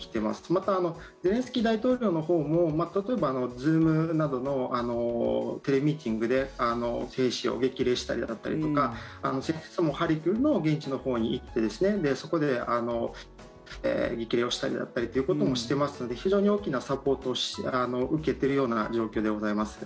またゼレンスキー大統領のほうも例えば、Ｚｏｏｍなどのテレミーティングで兵士を激励したりだったりとか先日もハルキウの現地のほうに行ってそこで激励をしたりだったりということもしていますので非常に大きなサポートを受けているような状況でございます。